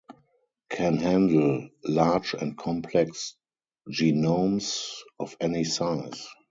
Can handle large and complex genomes of any size.